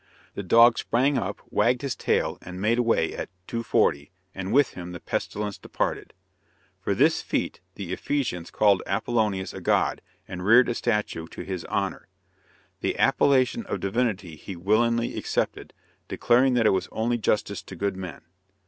The dog sprang up, wagged his tail, and made away at "two forty" and with him the pestilence departed. For this feat, the Ephesians called Apollonius a god, and reared a statue to his honor. The appellation of divinity he willingly accepted, declaring that it was only justice to good men.